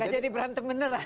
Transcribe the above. gak jadi berantem beneran